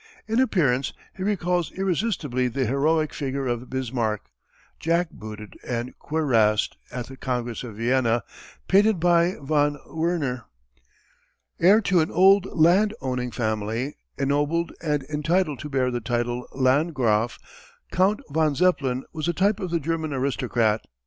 In appearance he recalls irresistibly the heroic figure of Bismarck, jack booted and cuirassed at the Congress of Vienna, painted by von Werner. Heir to an old land owning family, ennobled and entitled to bear the title Landgraf, Count von Zeppelin was a type of the German aristocrat.